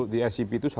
di scp itu